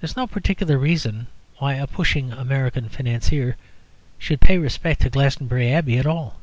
There is no particular reason why a pushing American financier should pay respect to Glastonbury Abbey at all.